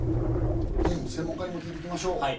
専門家に聞いてきましょう。